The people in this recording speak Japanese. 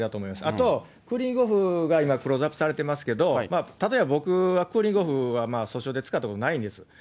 それとクーリングオフが今、クローズアップされてますけども、例えば僕はクーリングオフは訴訟で使ったことないんです。